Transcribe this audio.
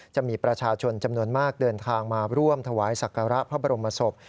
จะมีประชาชนจำนวนมากเดินทางมาร่วมถวายศักระพระบรมศพ